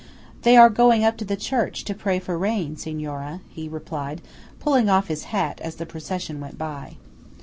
"They are going up to the church to pray for rain, Signora," he replied, pulling off his hat as the procession went by.